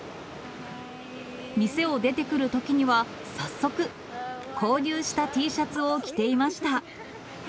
店を出てくるときには、早速、購入したＴシャツを着ていました。